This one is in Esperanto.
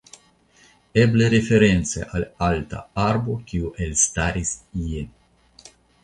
Eble reference al alta arbo kiu elstaris ie.